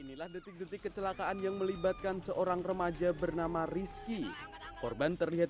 inilah detik detik kecelakaan yang melibatkan seorang remaja bernama rizky korban terlihat